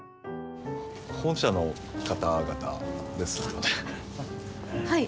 本社の方々ですよね？